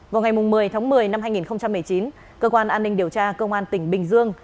vào ngày một mươi tháng một mươi năm hai nghìn một mươi chín cơ quan an ninh điều tra công an tỉnh bình dương